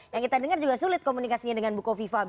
yang kita dengar juga sulit komunikasinya dengan buko viva